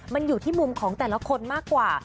มันอยู่ที่มุมของแต่ละคนมากกว่า